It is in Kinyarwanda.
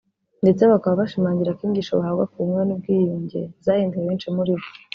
ndetse bakaba bashimangiraga ko inyigisho bahabwa ku bumwe n’ubwiyunge zahinduye benshi muri bo